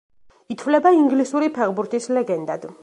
ითვლება ინგლისური ფეხბურთის ლეგენდად.